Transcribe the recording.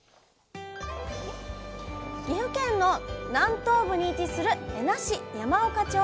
岐阜県の南東部に位置する恵那市山岡町。